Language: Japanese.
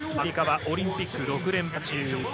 アメリカはオリンピック６連覇中。